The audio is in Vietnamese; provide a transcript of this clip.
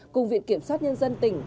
cùng viện kiểm soát nhân dân tỉnh